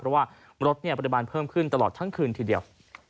เพราะว่ารถปริมาณเพิ่มขึ้นตลอดทั้งคืนทีเดียว